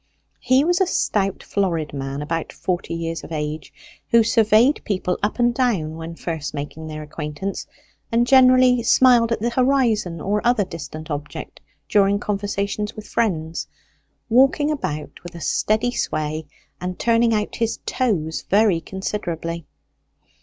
He was a stout florid man about forty years of age, who surveyed people up and down when first making their acquaintance, and generally smiled at the horizon or other distant object during conversations with friends, walking about with a steady sway, and turning out his toes very considerably.